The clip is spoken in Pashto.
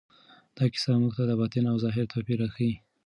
دا کیسه موږ ته د باطن او ظاهر توپیر راښيي.